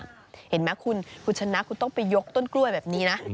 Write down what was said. ในอย่างเงียบที่ผมคุณจัดมาคุณชนักคุณต้องไปยกต้นกล้วยแบบนี้นะ